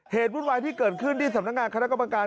วุ่นวายที่เกิดขึ้นที่สำนักงานคณะกรรมการ